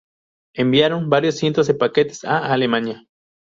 Enviaron varios cientos de paquetes a Alemania.